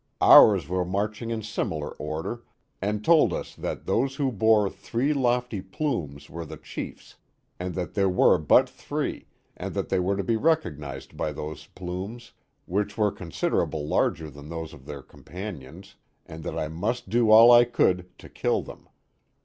Ours were marching in similar order, and 1 8 The Mohawk Valley told us that those who bore three lofty plumes were the chiefs, and that there were but three, and they were to be recognized by those plumes, which were considerable larger than those of their com panions, and that I must do all I could to kill them.